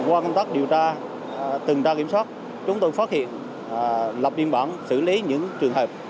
qua công tác điều tra từng tra kiểm soát chúng tôi phát hiện lập biên bản xử lý những trường hợp